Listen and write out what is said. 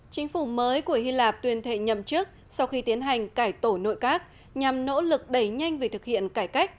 chính phủ mới của hy lạp tuyên thệ nhậm chức sau khi tiến hành cải tổ nội các nhằm nỗ lực đẩy nhanh về thực hiện cải cách